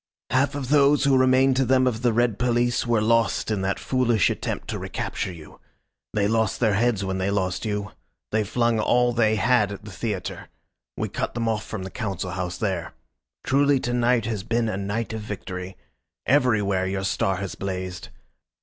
"Half of those who remain to them of the red police were lost in that foolish attempt to recapture you. They lost their heads when they lost you. They flung all they had at the theatre. We cut them off from the Council House there. Truly to night has been a night of victory. Everywhere your star has blazed.